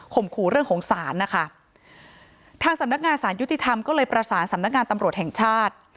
ขู่เรื่องของศาลนะคะทางสำนักงานสารยุติธรรมก็เลยประสานสำนักงานตำรวจแห่งชาติ